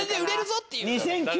っていう。